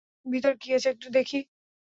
ভিতরে কী আছে দেখি একটু?